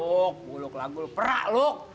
luk buluk lagu perak luk